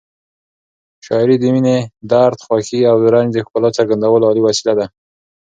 شاعري د مینې، درد، خوښۍ او رنج د ښکلا څرګندولو عالي وسیله ده.